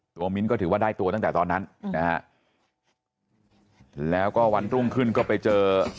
มิ้นก็ถือว่าได้ตัวตั้งแต่ตอนนั้นนะฮะแล้วก็วันรุ่งขึ้นก็ไปเจอ